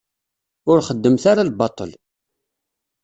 Ur xeddmet ara lbaṭel.